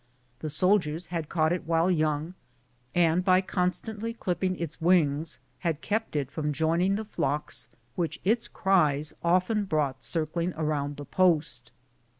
The soldiers had caught it while young, and by constantly clipping its wings, had kept it from joining the flocks which its cries often brought circling around the post.